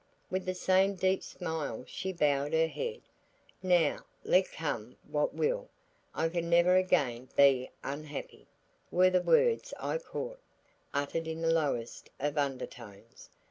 With the same deep smile she bowed her head, "Now let come what will, I can never again be unhappy," were the words I caught, uttered in the lowest of undertones.